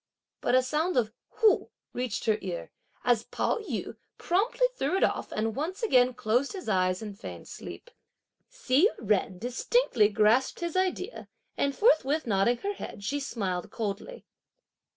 But a sound of "hu" reached her ear, as Pao yü promptly threw it off and once again closed his eyes and feigned sleep. Hsi Jen distinctly grasped his idea and, forthwith nodding her head, she smiled coldly.